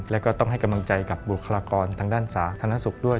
แล้วก็ต้องให้กำลังใจกับบุคลากรทางด้านสาธารณสุขด้วย